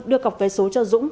đưa cọc vé số cho dũng